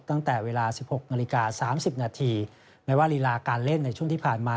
ตั้งแต่เวลา๑๖นาฬิกา๓๐นาทีแม้ว่าลีลาการเล่นในช่วงที่ผ่านมา